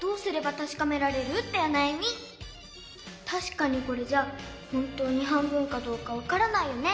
たしかにこれじゃほんとに半分かどうかわからないよね。